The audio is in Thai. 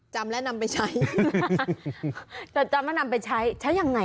จำและนำไปใช้จำและนำไปใช้ใช้อย่างไง